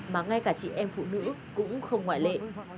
mà ngay cả chị em phụ nữ cũng không ngoại lệ